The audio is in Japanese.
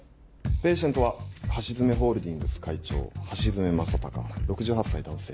ペイシェントは橋爪ホールディングス会長橋爪正孝６８歳男性。